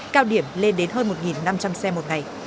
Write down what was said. cao điểm lên đến hơn một năm trăm linh xe một ngày